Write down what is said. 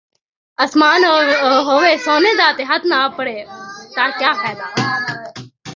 اسمان ہووے سونے دا تے ہتھ ناں اپڑے، تاں کیا فائدہ